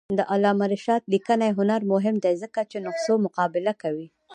د علامه رشاد لیکنی هنر مهم دی ځکه چې نسخو مقابله کوي.